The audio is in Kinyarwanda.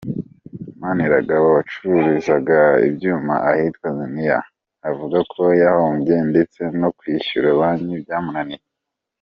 Maniragaba wacururizaga ibyuma ahitwa Ziniya, avuga ko yahombye ndetse no kwishyura Banki byamunaniye.